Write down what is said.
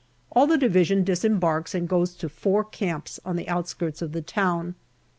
All the Division disembarks and goes to four camps on the outskirts of the town.